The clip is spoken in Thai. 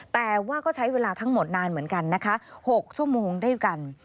แต่ว่าก็ใช้เวลาทั้งหมดนานเหมือนกันนะคะ๖ชั่วโมงด้วยกัน